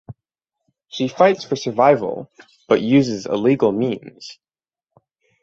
She fights for survival but uses illegal means.